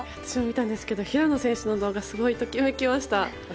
私も見たんですが平野選手の動画すごくときめきました。